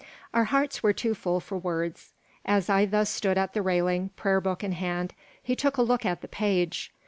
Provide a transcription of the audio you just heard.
Our hearts were too full for words As I thus stood at the railing, prayer book in hand, he took a look at the page.